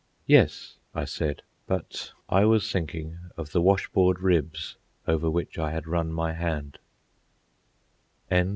"Yes," I said, but I was thinking of the wash board ribs over which I had run my hand.